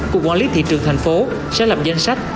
cục quản lý thị trường tp hcm sẽ làm danh sách